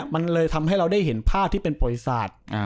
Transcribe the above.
มันเลยทำให้เราได้เห็นภาพที่เป็นประวัติศาสตร์